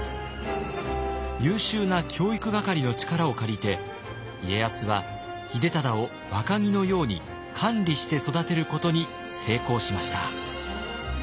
優秀な教育係の力を借りて家康は秀忠を若木のように管理して育てることに成功しました。